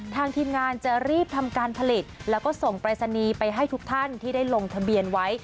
ทีมงานจะรีบทำการผลิตแล้วก็ส่งปรายศนีย์ไปให้ทุกท่านที่ได้ลงทะเบียนไว้